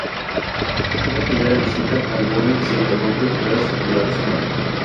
Una primera visita al burdel se interrumpe tras Lars mal.